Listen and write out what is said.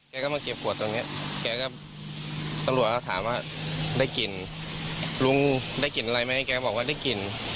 แกก็มาเก็บขวดตรงเนี้ยแกก็ตำรวจก็ถามว่าได้กลิ่นลุงได้กลิ่นอะไรไหมแกบอกว่าได้กลิ่น